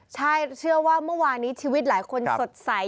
ใช่เชื่อว่าเมื่อวานนี้ชีวิตหลายคนสดใส